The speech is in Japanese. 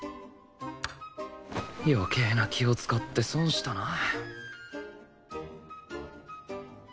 余計な気を使って損したな